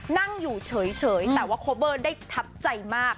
นั่งอยู่เฉยแต่ว่าโคเบอร์ได้ทับใจมาก